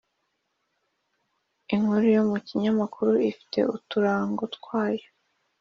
inkuru yo mu kinyamakuru ifite uturango twayo